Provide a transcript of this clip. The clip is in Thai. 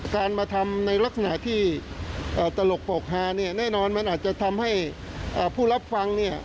การมาทำในลักษณะที่ตลกปกฮาเนี่ยแน่นอนมันอาจจะทำให้ผู้รับฟังเนี่ย